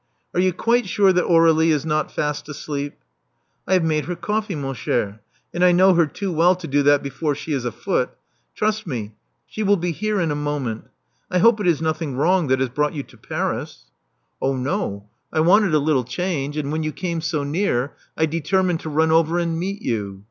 Are you quite sure that Aur^lie is not fast asleep?" I have made her coffee, mon cher; and I know her too well to do that before she is afoot. Trust me, she will be here in a moment. I hope it is nothing wrong that has brought you to Paris," J 60 Love Among the Artists '*Oh no. I wanted a little change; and when you came so near, I determined to run over and meet you.